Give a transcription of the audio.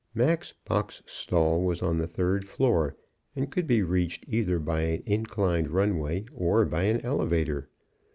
Mac's box stall was on the third floor, and could be reached either by an inclined run way, or an elevator.